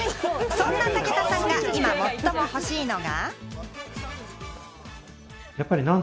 そんな武田さんが今最も欲しいのが。